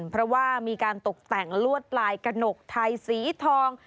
เพราะว่ามีการตกแต่งลวดลายกระหนกไทยสีทอง